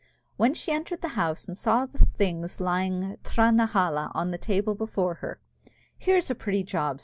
When she entered the house and saw the things lying thrie na helah on the table before her "Here's a pretty job!"